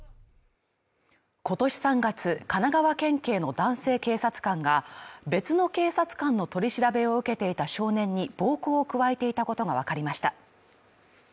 今年３月神奈川県警の男性警察官が別の警察官の取り調べを受けていた少年に暴行を加えていたことがわかりました。